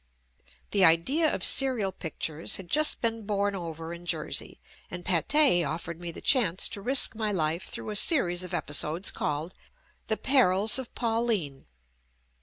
The idea of serial pictures had just been born over in Jersey, and Pathe offered me the chance to risk my life through a series of epi sodes called "The Perils of Pauline."